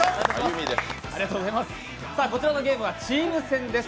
こちらのゲームはチーム戦です。